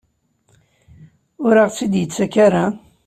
Ur aɣ-tt-id-yettak ara?